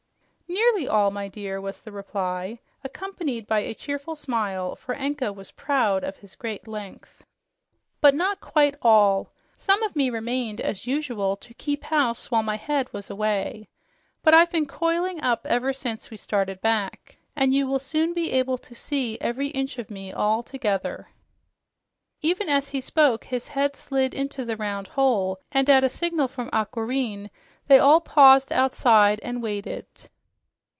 "Nearly all, my dear," was the reply, accompanied by a cheerful smile, for Anko was proud of his great length. "But not quite all. Some of me remained, as usual, to keep house while my head was away. But I've been coiling up ever since we started back, and you will soon be able to see every inch of me all together." Even as he spoke, his head slid into the round hole, and at a signal from Aquareine they all paused outside and waited.